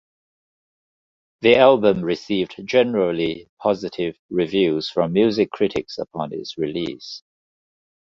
The album received generally positive reviews from music critics upon its release.